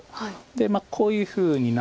まあこういうふうになって。